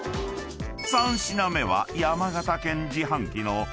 ［３品目は山形県自販機の］